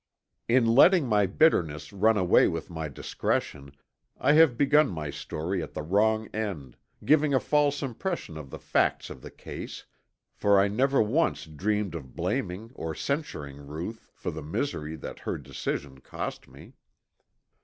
In letting my bitterness run away with my discretion, I have begun my story at the wrong end, giving a false impression of the facts of the case, for I never once dreamed of blaming or censuring Ruth for the misery that her decision cost me.